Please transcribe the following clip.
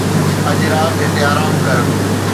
اڄ رات هتي آرام ڪر